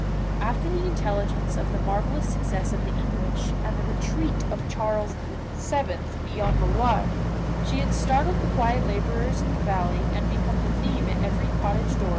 After the intelligence of the marvellous success of the English, and the retreat of Charles VII. beyond the Loire, had startled the quiet laborers in the valley, and become the theme at every cottage door